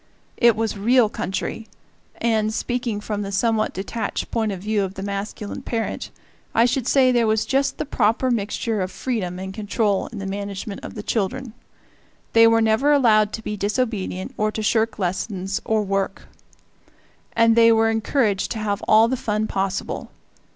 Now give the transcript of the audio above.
It was real country, and speaking from the somewhat detached point of view of the masculine parent I should say there was just the proper mixture of freedom and control in the management of the children. They were never allowed to be disobedient or to shirk lessons or work; and they were encouraged to have all the fun possible.